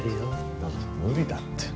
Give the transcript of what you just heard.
だから無理だって。